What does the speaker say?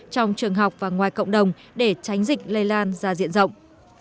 trong trường học và ngoài cộng đồng để tránh dịch lây lan ra diện rộng